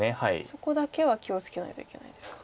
そこだけは気を付けないといけないですか。